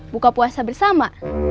buka puasa bersama